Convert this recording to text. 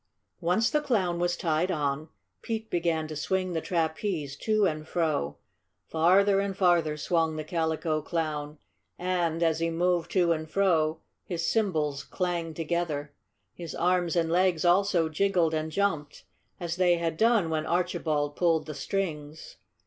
Once the Clown was tied on, Pete began to swing the trapeze to and fro. Farther and farther swung the Calico Clown, and, as he moved to and fro, his cymbals clanged together. His arms and legs also jiggled and jumped, as they had done when Archibald pulled the strings.